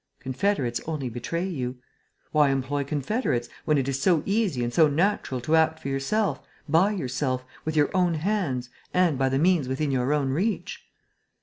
Confederates only betray you. Why employ confederates, when it is so easy and so natural to act for yourself, by yourself, with your own hands and by the means within your own reach?"